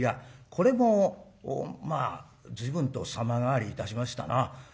これもまあ随分と様変わりいたしましたな。